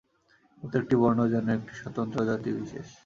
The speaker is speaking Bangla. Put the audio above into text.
প্রত্যেকটি বর্ণ যেন একটি স্বতন্ত্র জাতিবিশেষ।